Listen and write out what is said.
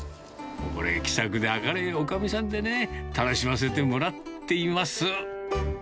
これ、気さくで明るいおかみさんでね、楽しませてもらっています。